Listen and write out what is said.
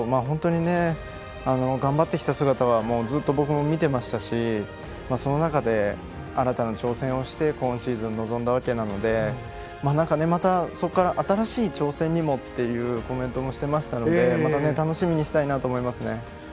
本当に頑張ってきた姿はずっと、僕も見てましたしその中で新たな挑戦をして今シーズン臨んだわけなのでまた、そこから新しい挑戦にもというコメントもしていましたので、また楽しみにしたいと思いますね。